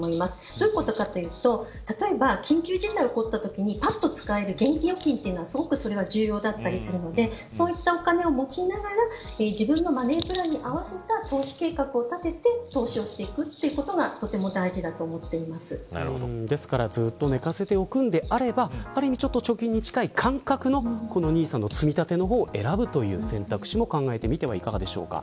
どういうことかというと、例えば緊急事態が起こったときにぱっと使える現金預金は重要だったりするのでそういったお金を持ちながら自分のマネープランに合わせた投資計画を立てて投資をしていくということが大事だとですから、ずっと寝かせておくのであれば貯金に近い感覚のＮＩＳＡの積み立ての方を選ぶという選択肢も考えてみてはいかがでしょうか。